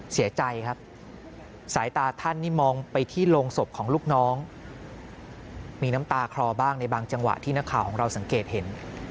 เสียใจครับสายตาท่านนี่มองไปที่โรงศพของลูกน้องมีน้ำตาคลอบ้างในบางจังหวะที่นักข่าวของเราสังเกตเห็น